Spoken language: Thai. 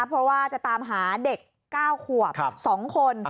เพราะว่าจะตามหาเด็ก๙ขวบ๒คน